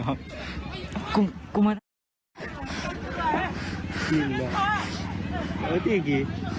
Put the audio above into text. เออดีกันดูสิเนี่ย